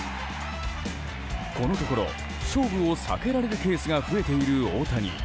このところ勝負を避けられるケースが増えている大谷。